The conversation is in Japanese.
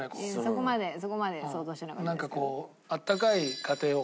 そこまでそこまで想像してなかったですけど。